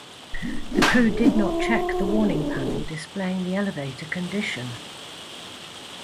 The crew did not check the warning panel displaying the elevator condition.